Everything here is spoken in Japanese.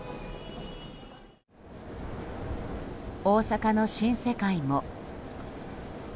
大阪の新世界も。